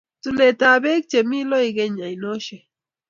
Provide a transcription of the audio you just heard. Tuletab bek che mi loigeny ainosiek